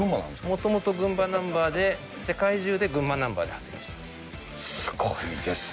もともと群馬ナンバーで、世界中で群馬ナンバーで発売しているんです。